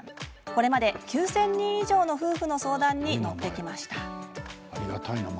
これまで９０００人以上の夫婦の相談に乗ってきました。